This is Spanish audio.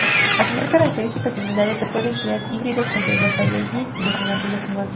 Al tener características similares, se pueden crear híbridos entre los saiyajin y los humanos.